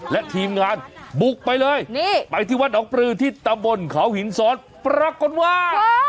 และทีมงานบุกไปเลยไปที่วัดหนองปลือที่ตำบลเขาหินซ้อนปรากฏว่า